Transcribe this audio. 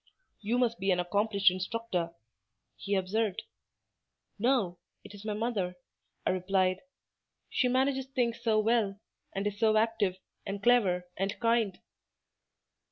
"You must be an accomplished instructor," he observed. "No, it is my mother," I replied; "she manages things so well, and is so active, and clever, and kind."